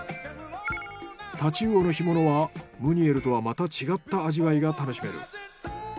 太刀魚の干物はムニエルとはまた違った味わいが楽しめる。